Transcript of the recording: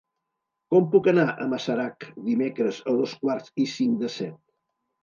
Com puc anar a Masarac dimecres a dos quarts i cinc de set?